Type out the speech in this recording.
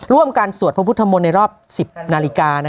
ร่วมกันสวดพระพุทธมนต์ในรอบ๑๐นาฬิกา